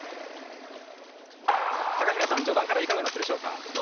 高平さん、序盤からいかがだったでしょうか？